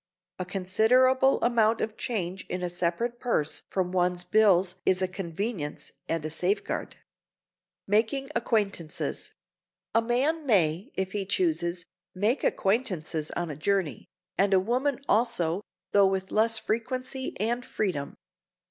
A considerable amount of change in a separate purse from one's bills is a convenience and a safeguard. [Sidenote: MAKING ACQUAINTANCES] A man may, if he chooses, make acquaintances on a journey, and a woman also, though with less frequency and freedom.